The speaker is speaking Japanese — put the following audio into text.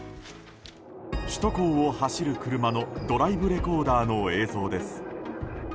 首都高を走る車のドライブレコーダーの映像です。